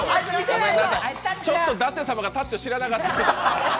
ちょっと舘様が「タッチ」を知らなかった。